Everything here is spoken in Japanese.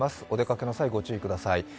お出かけの際、ご注意ください。